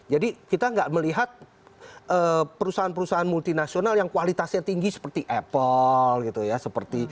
jadi kita tidak melihat perusahaan perusahaan multinasional yang kualitasnya tinggi seperti apple